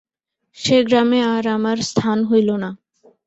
সে-গ্রামে আর আমার স্থান হইল না।